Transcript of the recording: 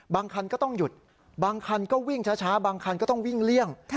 คันก็ต้องหยุดบางคันก็วิ่งช้าบางคันก็ต้องวิ่งเลี่ยง